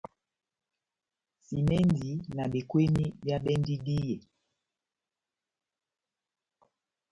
Simɛndi na bekweni bia bendi díyɛ.